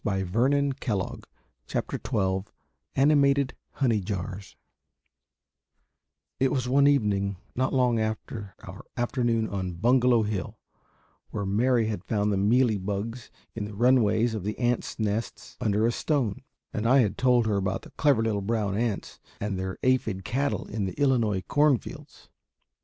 [Illustration: THE ANIMATED HONEY JARS] ANIMATED HONEY JARS It was one evening not long after our afternoon on Bungalow Hill, where Mary had found the mealy bugs in the runways of an ant's nest under a stone, and I had told her about the clever little brown ants and their aphid cattle in the Illinois corn fields.